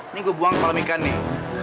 ini gue buang kepala mika nih